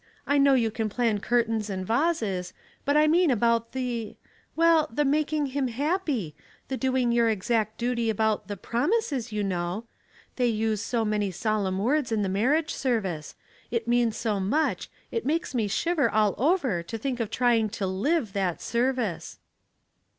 I know you can plan curtains and vases, but I mean about the — well, the making him happy, the doing your exact duty about iXm promises^ you know — they use so many solemn words in the marriage service — it means so much, it makes me shiver all over to think of trying to live that service."